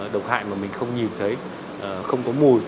độc hại mà mình không nhìn thấy không có mùi